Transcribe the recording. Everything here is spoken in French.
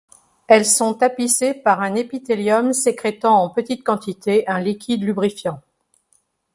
Elles sont tapissées par un épithélium sécrétant en petite quantité un liquide lubrifiant.